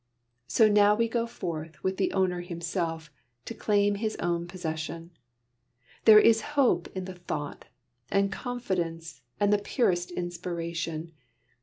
So now we go forth with the Owner Himself to claim His own possession. There is hope in the thought, and confidence and the purest inspiration.